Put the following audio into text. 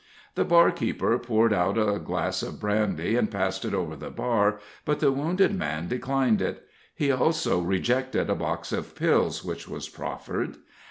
The barkeeper poured out a glass of brandy, and passed it over the bar, but the wounded man declined it; he also rejected a box of pills which was proffered.